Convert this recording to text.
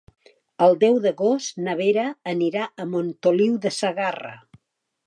El deu d'agost na Vera anirà a Montoliu de Segarra.